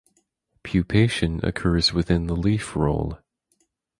Pupation occurs within the leaf roll.